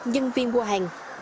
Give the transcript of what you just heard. nhân viên mua hàng